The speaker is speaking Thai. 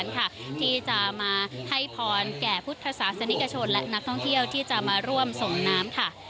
ที่จะมาให้พรแก่พุทธศาสนิกชนและนักท่องเที่ยวที่จะมาร่วมส่งน้ำค่ะ